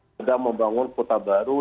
sedang membangun kota baru